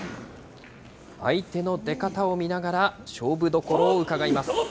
相手の出方を見ながら、勝負どころを伺います。